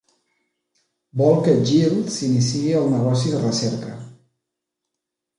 Vol que Jill s'iniciï al negoci de recerca.